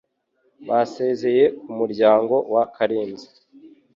Basezeye ku muryango wa Karenzi